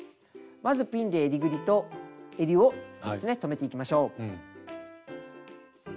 まずピンでえりぐりとえりをですね留めていきましょう。